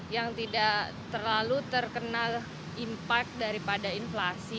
yang tidak terlalu terkenal impact daripada inflasi